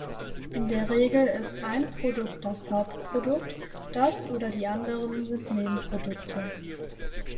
In der Regel ist ein Produkt das Hauptprodukt, das oder die anderen sind Nebenprodukte.